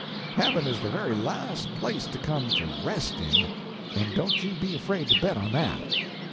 Heaven is the very last place to come to rest in,—and don't you be afraid to bet on that!"